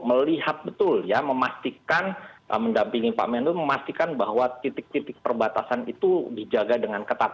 melihat betul ya memastikan mendampingi pak menlu memastikan bahwa titik titik perbatasan itu dijaga dengan ketat